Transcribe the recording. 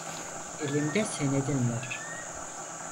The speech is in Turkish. Elimde senedin var.